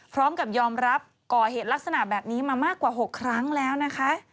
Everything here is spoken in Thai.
พร้อมกับยอมรับก่อเหตุลักษณะแบบนี้มามากกว่า๖ครั้งแล้วนะคะ